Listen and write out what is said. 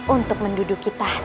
untuk menduduki tahtmu